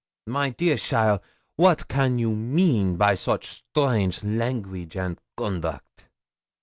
My dear cheaile, wat a can you mean by soche strange language and conduct?